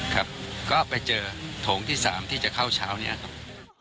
ครับก็ไปเจอโถงที่๓ที่จะเข้าเช้านี้ครับ